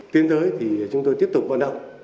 tiếp tới thì chúng tôi tiếp tục hoạt động